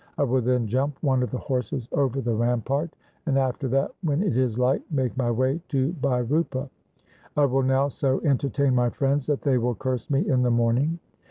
I will then jump one of the horses over the rampart, and after that when it is light make my way to Bhai Rupa. I will now so entertain my friends that they will curse me in the morning.'